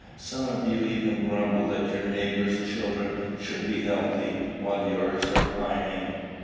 Some of you even grumble that your neighbors' children should be healthy when yours are pining.